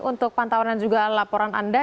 untuk pantauan dan juga laporan anda